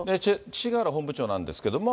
勅使河原本部長なんですけども。